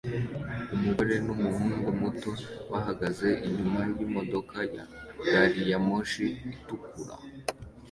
Umugore numuhungu muto bahagaze inyuma yimodoka ya gari ya moshi itukura